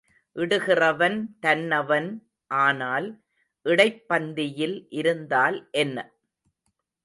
இடுகிறவன் தன்னவன் ஆனால் இடைப் பந்தியில் இருந்தால் என்ன?